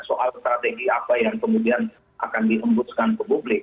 soal strategi apa yang kemudian akan diembuskan ke publik